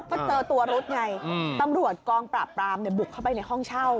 ก็เจอตัวรุ๊ดไงตำรวจกองปราบปรามบุกเข้าไปในห้องเช่า